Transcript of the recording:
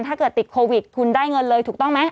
ถ้าเกิดติดโควิดคุณได้เงินเลยถูกต้องไหม